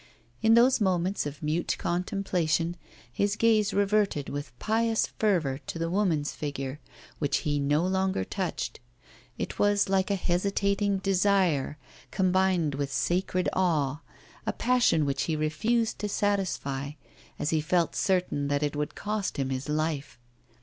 In those moments of mute contemplation, his gaze reverted with pious fervour to the woman's figure which he no longer touched: it was like a hesitating desire combined with sacred awe, a passion which he refused to satisfy, as he felt certain that it would cost him his life.